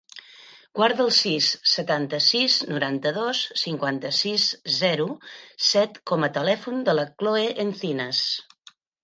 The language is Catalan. Guarda el sis, setanta-sis, noranta-dos, cinquanta-sis, zero, set com a telèfon de la Chloé Encinas.